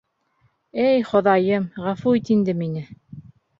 Эй, Хоҙайым, ғәфү ит инде мине.